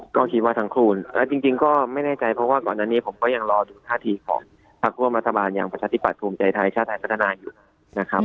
ก็คิดว่าทั้งคู่จริงก็ไม่แน่ใจเพราะว่าก่อนอันนี้ผมก็ยังรอดูท่าทีของพักร่วมรัฐบาลอย่างประชาธิบัติภูมิใจไทยชาติไทยพัฒนาอยู่นะครับ